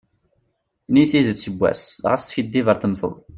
Ini-yi tidet yiwen was, ɣas skiddib ar temteḍ.